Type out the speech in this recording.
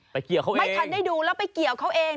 ไม่ทันได้ดูแล้วไปเกี่ยวเขาเอง